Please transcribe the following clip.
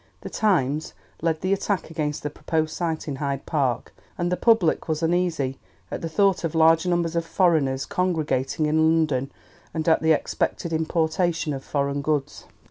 The Times led the attack against the proposed site in Hyde Park, and the public was uneasy at the thought of large numbers of foreigners congregating in London, and at the expected importation of foreign goods.